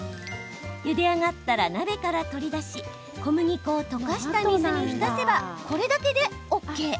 ゆで上がったら鍋から取り出し小麦粉を溶かした水に浸せばこれだけでＯＫ。